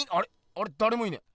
あれだれもいねえ。